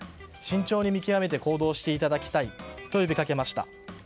慎重に見極めて行動していただきたいと呼びかけました。